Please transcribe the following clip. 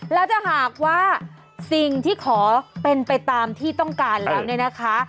แล้วถ้าหากว่าสิ่งที่ขอเป็นไปตามที่ต้องการแล้วเนี่ยนะคะ